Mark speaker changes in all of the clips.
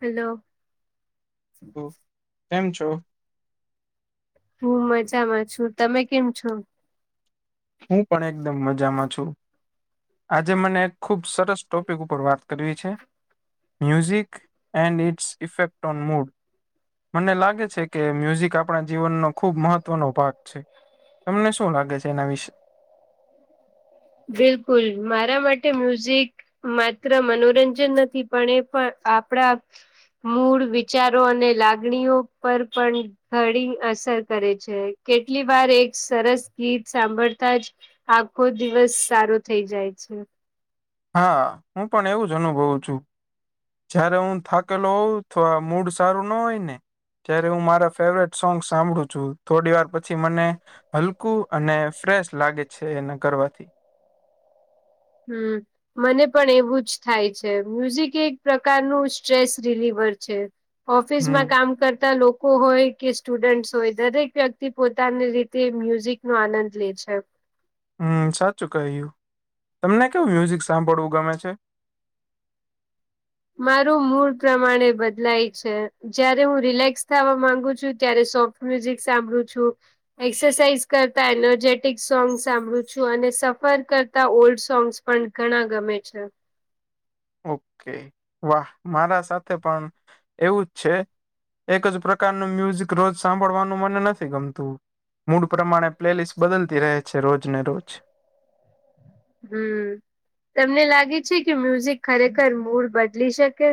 Speaker 1: Hello.
Speaker 2: કેમ છો.
Speaker 1: હું મજામાં છું તમે કેમ છો.
Speaker 2: હું પણ એકદમ મજામાં છું. આજે મને ખુબ સરસ ટોપિક ઉપર વાત કરવી છે. Music and its effect on mood. મને લાગે છે કે મ્યુઝિક આપણા જીવનનો ખુબ મહત્વનો ભાગ છે. તમને શું લાગે છે એના વિશે.
Speaker 1: બિલકુલ મારા માટે મ્યુઝિક માત્ર મનોરંજન નથી પણ એ પણ આપણા મૂળ વિચારો અને લાગણીઓ પર પણ ઘડી અસર કરે છે કેટલી વાર એક સરસ ગીત સાંભળતા જ આખો દિવસ સારો થઈ જાય છે.
Speaker 2: હા હું પણ એવું જ અનુભવ છું. જયારે હું થાકેલો હોઉં તો મૂડ સારું ના હોય ને જય્યારે હું મારા ફેવરેટ સોંગ સાંભળું છું થોડી વાર પછી મને હલકું અને ફ્રેશ લાગે છે એને કરવાથી.
Speaker 1: હમ. મને પણ એવું જ થાય છે મ્યુઝિક એક પ્રકારનું સ્ટ્રેસ રિલીવર છે.
Speaker 2: હમ
Speaker 1: ઓફિસમાં કામ કરતા લોકો હોય કે સ્ટુડન્ટ હોય દરેક વ્યક્તિ પોતાની રીતે મ્યુઝિક નો આનંદ લે છે.
Speaker 2: હમ સાચું કહય્યું તમને કેવુ મ્યુઝિક સાંભળવું ગમે છે.
Speaker 1: માર મૂડ પ્રમાણે બદલાય છે જયારે હું રિલેક્સ થવા માંગુ છું ત્યારે સોફ્ટ મ્યુઝિક સાંભળું છું. એક્સરસાઝ કરતા એનર્જેટિક સોંગ્સ સાંભળું છું અને સફર કરતા ઓલ્ડ સોંગ્સ પણ ઘણા ગમે છે.
Speaker 2: ઓકે વાહ મારા સાથે પણ એવું જ છે. એક જ પ્રકારનું મ્યુઝિક રોજ સાંભળવાનું મને નથી ગમતું. મૂડ પ્રમાણે પ્લેલિસ્ટ બદલતી રહે છે રોજ ને રોજ
Speaker 1: હમ તમને લાગે છે કે મ્યુઝિક ખરેખર મૂડ બદલી શકે.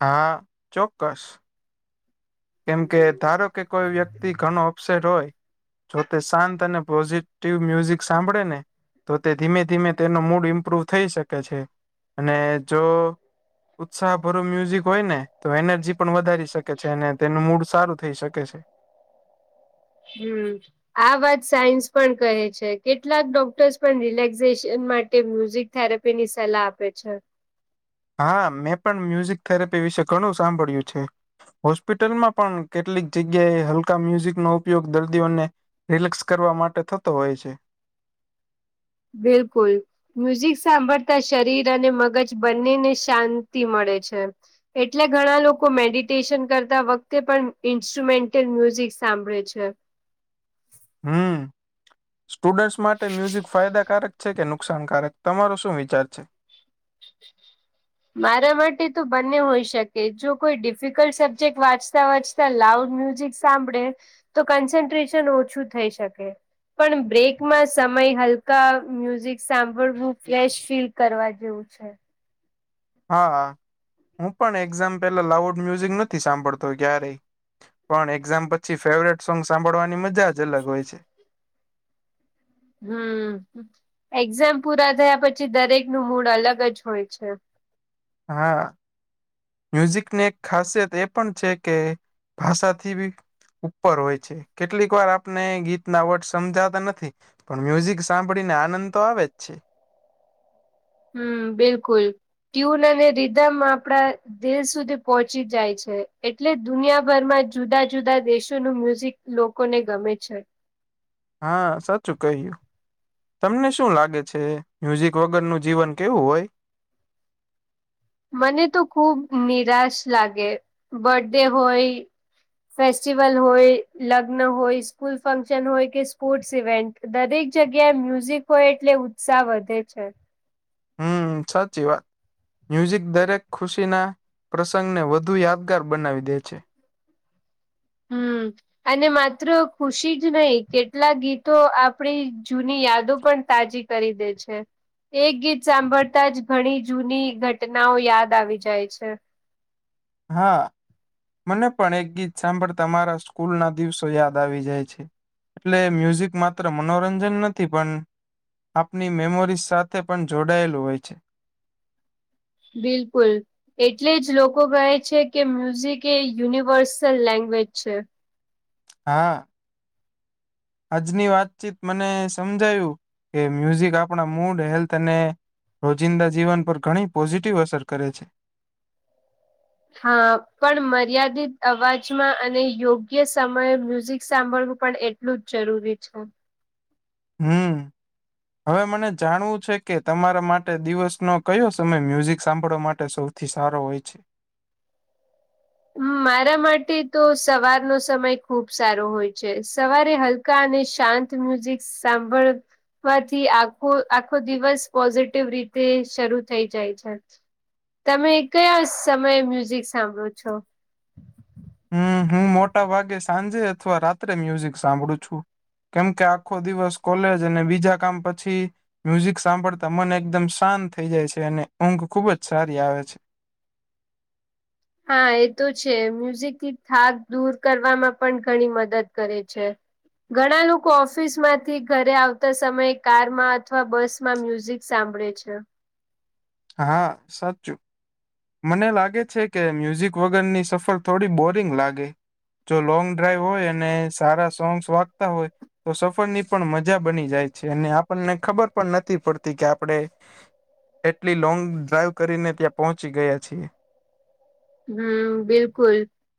Speaker 2: હા ચોક્કસ કેમ કે ધારો કે કોઈ વ્યક્તિ ઘણો અપસેટ હોય. જો તે શાંત અને પોઝિટિવ મ્યુઝિક સાંભળે ને તો તે ધીમે ધીમે તેનો મૂડ ઇમ્પ્રુવ થઈ શકે છે અને જો ઉત્સાહ ભરો મ્યુઝિક હોય ને તો એનર્જી પણ વધારી શકે છે અને તેનું મૂડ સારું થઈ શકે છે.
Speaker 1: હમ આ વાત સાયન્સ પણ કહે છે કેટલાક ડોક્ટર્સ પણ રિલેક્સેશન માટે મ્યુઝિક થેરેપી ની સલાહ આપે છે.
Speaker 2: હા મેં પણ મ્યુઝિક થેરેપી વિશે ઘણું સાંભળ્યું છે. હોસ્પિટલમાં પણ કેટલીક જગ્યાએ હલકા મ્યુઝિક નો ઉપયોગ દર્દીઓને રિલેક્સ કરવા માટે થતો હોય છે.
Speaker 1: બિલકુલ. મ્યુઝિક સાંભળતા શરીર અને મગજ બંનેને શાંતિ મળે છે. એટલે ઘણા લોકો મેડિટેશન કરતા વખતે પણ ઇન્સ્ટ્રુમેન્ટલ મ્યુઝિક સાંભળે છે.
Speaker 2: હમ સ્ટુડન્ટસ માટે મ્યુઝિક ફાયદાકારક છે કે નુકસાનકારક તમારો શું વિચાર છે.
Speaker 1: મારા માટે તો બંને હોઈ શકે જો કોઈ ડિફિકલ્ટ સબ્જેક્ટ વાંચતા વાંચતા લાઉડ મ્યુઝિક સાંભળે તો કન્સન્ટ્રેશન ઓછું થઈ શકે. પણ બ્રેકમાં સમય હલકા મ્યુઝિક સાંભળવું ફ્રેશ ફીલ કરવા જેવું છે.
Speaker 2: હા હું પણ એક્ઝામ પેલા લાઉડ મ્યુઝિક નથી સાંભળતો ક્યારેય પણ એક્ઝામ પછી ફેવરેટ સોંગ સાંભળવાની મજા જ અલગ હોય છે.
Speaker 1: હમ એક્ઝામ પૂરા થયા પછી દરેક નું મૂડ અલગ જ હોય છે.
Speaker 2: હા મ્યુઝિકની એક ખાસિયત એ પણ છે કે ભાષાથી ઉપર હોય છે કેટલીક વાર આપને ગીત ના વર્ડ સમજાતા નથી. પણ મ્યુઝિક સાંભળીને આનંદ તો આવે જ છે.
Speaker 1: હમ બિલકુલ ટ્યુન અને રીધમ આપડા. દિલ સુધી પહોંચી જાય છે, એટલે દુનિયાભરમાં જુદા જુદા દેશોનું મ્યુઝિક. લોકો ને ગમે છે.
Speaker 2: હા સાચું કહ્યું તમને શું લાગે છે મ્યુઝિક વગર નું જીવન કેવું હોય.
Speaker 1: મને તો ખુબ નિરાશ લાગે બર્ડે હોય ફેસ્ટિવલ હોય, લગ્ન હોય, સ્કૂલ ફંક્શન હોય, કે સ્પોર્ટ્સ ઇવેન્ટ દરેક જગ્યાએ મ્યુઝિક હોય એટલે ઉત્સાહ વધે છે.
Speaker 2: હમ સાચી વાત મ્યુઝિક દરેક ખુશીના પ્રસંગને વધુ યાદગાર બનાવી દે છે.
Speaker 1: હમ. અને માત્ર ખુશી જ નહી કેટલા ગીતો આપણી જૂની યાદો પણ તાજી કરી દે છે. એક ગીત સાંભળતા જ ઘણી જૂની ઘટનાઓ યાદ આવી જાય છે.
Speaker 2: હા. મને પણ એક ગીત સાંભળ તમારા સ્કૂલ ના દિવસો યાદ આવી જાય છે. એટલે મ્યુઝિક માત્ર મનોરંજન નથી પણ, આપની મેમોરીઝ સાથે પણ જોડાયેલું હોય છે.
Speaker 1: બિલકુલ. એટલે જ લોકો કહે છે, કે મ્યુઝિક એ યુનિવર્સલ લેંગ્વેજ છે.
Speaker 2: હા. આજની વાતચીત મને સમજાયું કે મ્યુઝિક આપણા મૂડ હેલ્થ અને, રોજિંદા જીવન પર ઘણી પોઝિટિવ અસર કરે છે.
Speaker 1: હા પણ મર્યાદિત અવાજમાં અને યોગ્ય સમયે મ્યુઝિક સાંભળવું પણ એ એટલું જ જરૂરી છે.
Speaker 2: હમ. હવે મને જાણવું છે કે તમારા માટે દિવસનો કયો સમય મ્યુઝિક સાંભળવા માટે શું? થીસારો હોય છે.
Speaker 1: હમ મારા માટે તો સવારનો સમય ખુબ સારો હોય છે સવારે હલ કા અને શાંત મ્યુઝિક સાંભળ થી આખો આખો દિવસ પોઝિટિવ રીતે શરૂ થઈ જાય છે. તમે કયા સમયે મ્યુઝિક સાંભળો છો?
Speaker 2: હમ હું મોટા ભાગે સાંજે અથવા રાત્રે મ્યુઝિક સાંભળું છું. કેમ કે આખો દિવસ કોલેજ અને બીજા કામ પછી, મ્યુઝિક સાંભળતા મન એકદમ શાંત થઇ જાય છે અને ઊંઘ ખુબ જ સારી આવે છે.
Speaker 1: હા એ તો છે મ્યુઝિકથી થાક દૂર કરવામાં પણ ઘણી મદદ કરે છે. ઘણા લોકો ઓફિસ માંથી ઘરે આવતા સમયે કારમાં અથવા બસમાં મ્યુઝિક સાંભળે છે.
Speaker 2: હા સાચું. મને લાગે છે કે મ્યુઝિક વગરની સફર થોડી બોરિંગ લાગે. જો લોંગ ડ્રાઈવ હોય અને સારા સોંગ્સ વાગતા હોય. તો સફર ની પણ મજા બની જાય છે, અને આપણને ખબર પણ નથી પડતી કે આપડે. એટલી લોંગ ડ્રાઈવ કરીને ત્યાં પહોંચી ગયા છીએ.
Speaker 1: હમ બિલકુલ.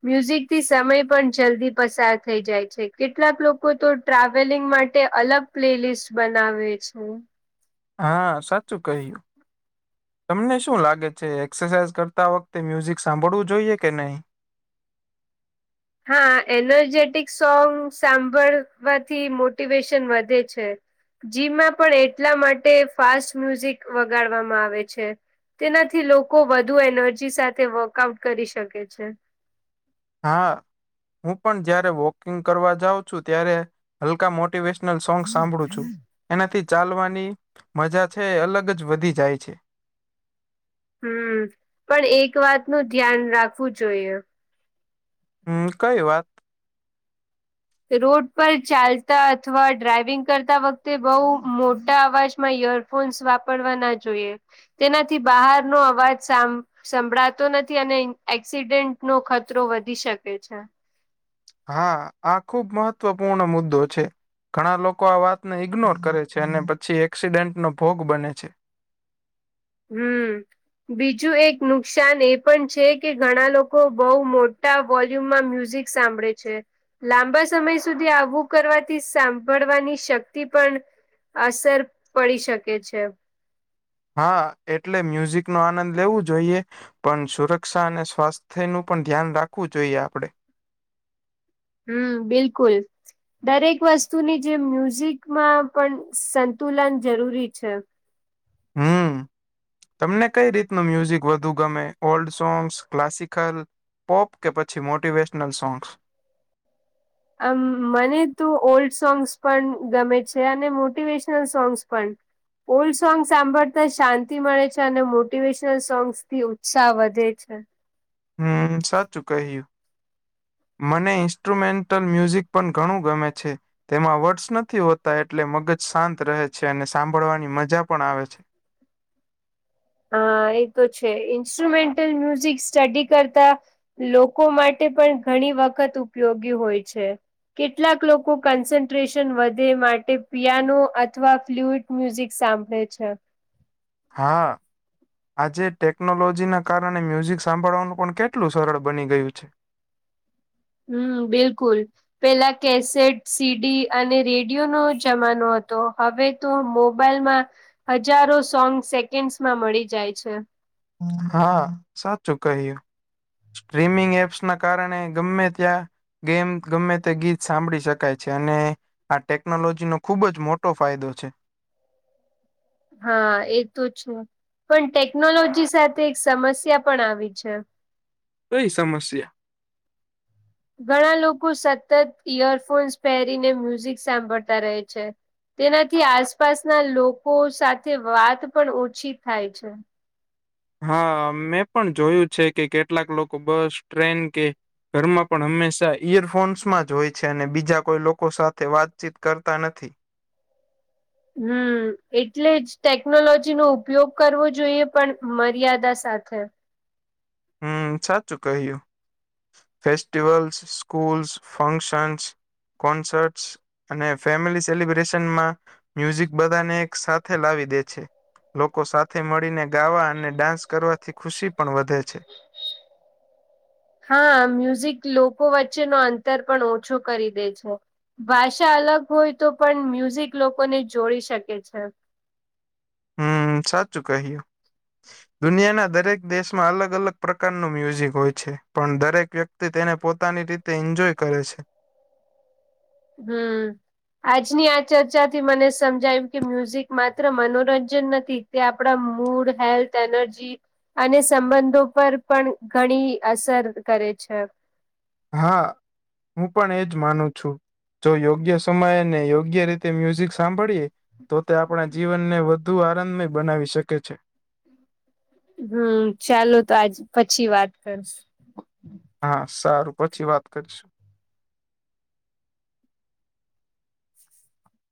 Speaker 1: મ્યુઝિકથી સમય પણ જલ્દી પસાર થઈ જાય છે, કેટલાક લોકો તો ટ્રાવેલિંગ માટે અલગ પ્લે લિસ્ટ બનાવે છે.
Speaker 2: હા સાચું કહ્યું. તમને શું લાગે છે એક્સરસાઇઝ કરતા વખતે મ્યુઝિક સાંભળવું જોઈએ કે નહી?
Speaker 1: હા એનર્જેટિક સોંગ સાંભળવાથી મોટિવેશન વધે છે. જીમાં પણ એટલા માટે ફાસ્ટ મ્યુઝિક વગાડવામાં આવે છે. તેનાથી લોકો વધુ એનર્જી સાથે વર્કઆઉટ કરી શકે છે.
Speaker 2: હા હું પણ જયારે વોકિંગ કરવા જાઉં છું ત્યારે હલકા મોટિવેશ સોંગ સાંભળું છું, એનાથી ચાલવાની મજા છે એ અલગ જ વધી જાય છે.
Speaker 1: હમ પણ એક વાત નું ધ્યાન રાખવું જોઈએ.
Speaker 2: હમ કઈ વાત.
Speaker 1: રોડ પર ચાલતા અથવા ડ્રાઈવિંગ કરતા વખતે બઉુ મોટા અવાજમાં યર ફોન્સ વાપરવા ના જોઈએ તેનાથી બહારનો અવાજ સા સંભળાતો નથી અને એક્સિડેન્ટ નો ખતરો વધી શકે છે.
Speaker 2: હા આ ખુબ મહત્વપૂર્ણ મુદ્દો છે. ઘણા લોકો આ વાતને ઈગ્નોર કરે છે, અને પછી એક્સિડેન્ટનો ભોગ બને છે.
Speaker 1: હમ. બીજું એક નુકસાન એ પણ છે કે ઘણા લોકો બહુ મોટા વોલ્યુમમાં મ્યુઝિક સાંભળે છે. લાંબા સમય સુધી આવું કરવાથી સાંભળવાની શક્તિ પણ અસર પડી શકે છે.
Speaker 2: હા એટલે મ્યુઝિક નો આનંદ લેવું જોઈએ. પણ સુરક્ષા અને સ્વાસ્થ્ય નું પણ ધ્યાન રાખવું જોઈએ આપડે.
Speaker 1: હમ્મ બિલકુલ દરેક વસ્તુની જે મ્યુઝિકમાં પણ સંતુલન જરૂરી છે.
Speaker 2: હમ્મ તમને કઈ રીત નું મ્યુઝિક વધુ ગમે ઓલ્ડ સોંગ્સ, ક્લાસિકલ પોપ કે પછી મોટિવેશનલ સોંગ્સ
Speaker 1: આમ મને તો ઓલ્ડ સોંગ્સ પણ ગમે છે અને મોટિવેશનલ સોંગ્સ પણ ઓલ્ડ સોંગ્સ સાંભળતા શાંતિ મળે છે અને મોટિવેશનલ સોંગ્સ થી ઉત્સાહ વધે છે.
Speaker 2: હમ્મ સાચું કહિયુ. મને ઈન્સ્ટ્રુમેન્ટલ મ્યુઝિક પણ ઘણું ગમે છે. તેમાં વર્ડસ નથી હોતા એટલે મગજ શાંત રહે છે અને સાંભળવાની મજા પણ આવે છે.
Speaker 1: હ એ તો છે ઇન્સ્ટ્રુમેન્ટલ મ્યુઝિક સ્ટડી કરતા લોકો માટે પણ ઘણી વખત ઉપયોગી હોય છે. કેટલાક લોકો કન્સન્ટ્રેશન વધે માટે પિયાનો અથવા ફ્લુટ મ્યુઝિક સાંભળે છે.
Speaker 2: હા. આજે ટેકનોલોજીના કારણે મ્યુઝિક સાંભળવાનું પણ કેટલું સરળ બની ગયું છે.
Speaker 1: હમ્મ બિલકુલ. પેલા કેસેટ, સીડી અને રેડિયોનો જમાનો હતો હવે તો મોબાઈલમાં હજારો સોંગ સેકન્ડસ માં મળી જાય છે.
Speaker 2: હા સાચું કહ્યું. સ્ટ્રીમિંગ એપ્સ ના કારણે ગમે ત્યાં ગેમ ગમે તે ગીત સાંભળી શકાય છે અને આ ટેકનોલોજી નો ખુબ જ મોટો ફાયદો છે.
Speaker 1: હા એ તો છે પણ ટેકનોલોજી સાથે એક સમસ્યા પણ આવી છે.
Speaker 2: કઈ સમસ્યા?
Speaker 1: ઘણા લોકો સતત ઈયરફોન્સ પહેરીને મ્યુઝિક સાંભળતા રહે છે. તેનાથી આસપાસના લોકો સાથે વાત પણ ઓછી થાય છે.
Speaker 2: હા મેં પણ જોયું છે કે કેટલાક લોકો બસ, ટ્રેન કે ઘરમાં પણ હંમેશા ઈયરફોન્સમાં જ હોય છે અને બીજા કોઈ લોકો સાથે વાતચીત કરતા નથી.
Speaker 1: હમ્મ એટલે જ ટેકનોલોજી નો ઉપયોગ કરવો જોઈએ પણ મર્યાદા સાથે
Speaker 2: હમ્મ સાચું કહ્યું. Festivals, schools, functions, concerts. અને ફેમિલી સેલિબ્રેશનમાં મ્યુઝિક બધાને એક સાથે લાવી દે છે. લોકો સાથે મળીને ગાવા અને ડાન્સ કરવાથી ખુશી પણ વધે છે.
Speaker 1: હા મ્યુઝિક લોકો વચ્ચે ન અંતર પણ ઓછો કરી દે છે. ભાષા અલગ હોય તો પણ મ્યુઝિક લોકોને જોડી શકે છે.
Speaker 2: હમ્મ સાચું કહ્યું. દુનિયાના દરેક દેશમાં અલગ અલગ પ્રકારનું મ્યુઝિક હોય છે પણ દરેક વ્યક્ત તે તેને પોતાની રીતે એન્જોય કરે છે.
Speaker 1: હમ્મ. આજની આ ચર્ચાથી મને સમજાયું કે મ્યુઝિક માત્ર મનોરંજન નથી. તે આપડા મૂડ, હેલ્થ, એનર્જી અને સંબંધો પર પણ ઘણી અસર કરે છે.
Speaker 2: હા હું પણ એજ માનું છું. જો યોગ્ય સમયે ને યોગ્ય રીતે મ્યુઝિક સાંભળીએ તો તે આપણા જીવનને વધુ આનંદમય બનાવી શકે છે.
Speaker 1: હમ ચાલો તો આજ પછી વાત કરશુ.
Speaker 2: હા સારું પછી વાત કરીશું.